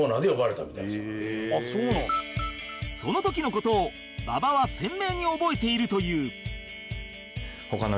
その時の事を馬場は鮮明に覚えているという